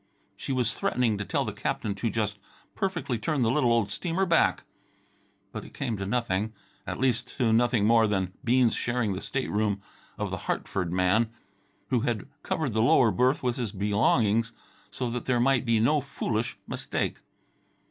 She was threatening to tell the captain to just perfectly turn the little old steamer back. But it came to nothing. At least to nothing more than Bean's sharing the stateroom of the Hartford man, who had covered the lower berth with his belongings so that there might be no foolish mistake.